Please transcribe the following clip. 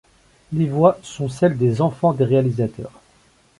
Les voix sont celles des enfants des réalisateurs.